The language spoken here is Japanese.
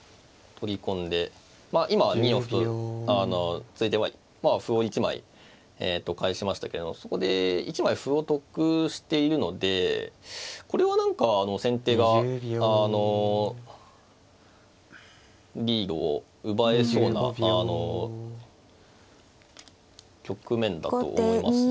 まあ今は２四歩と突いてまあ歩を１枚返しましたけれどもそこで１枚歩を得しているのでこれは何か先手があのリードを奪えそうな局面だと思いますね。